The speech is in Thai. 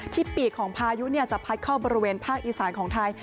ปีกของพายุจะพัดเข้าบริเวณภาคอีสานของไทย